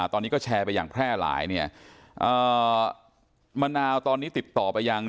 ตอนนี้ก็แชร์ไปอย่างแพร่หลายเนี่ยมะนาวตอนนี้ติดต่อไปยัง